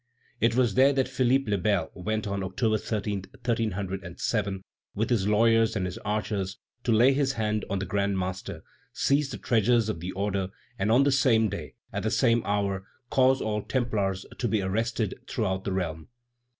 It was there that Philippe le Bel went on October 13, 1307, with his lawyers and his archers, to lay his hand on the grand master, seize the treasures of the order, and on the same day, at the same hour, cause all Templars to be arrested throughout the realm.